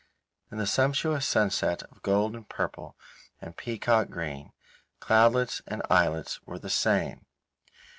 In the sumptuous sunset of gold and purple and peacock green cloudlets and islets were the same.